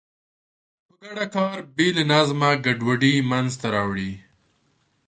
په ګډه کار بې له نظمه ګډوډي منځته راوړي.